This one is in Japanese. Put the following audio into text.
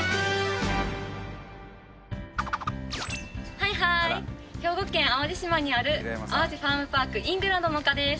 はいはーい兵庫県淡路島にある淡路ファームパークイングランドの丘です